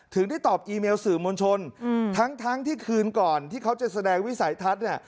ได้ตอบอีเมลสื่อมวลชนทั้งที่คืนก่อนที่เขาจะแสดงวิสัยทัศน์เนี่ย